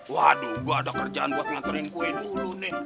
waduh gue ada kerjaan buat nganterin kue dulu nih